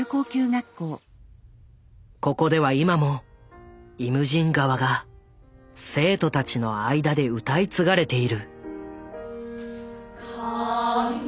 ここでは今も「イムジン河」が生徒たちの間で歌い継がれている。